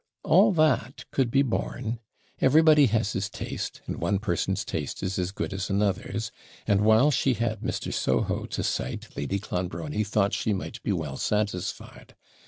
All THAT could be borne. Everybody has his taste and one person's taste is as good as another's; and while she had Mr. Soho to cite, Lady Clonbrony thought she might be well satisfied.